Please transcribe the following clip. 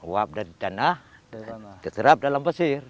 wap dari tanah diterap dalam pasir